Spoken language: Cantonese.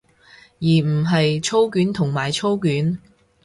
而唔係操卷同埋操卷